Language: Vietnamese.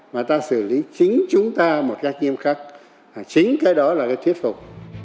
mà ta xử lý chính chúng ta một cách nghiêm khắc chính cái đó là cái thuyết phục